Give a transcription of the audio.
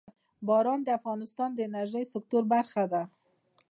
باران د افغانستان د انرژۍ سکتور برخه ده.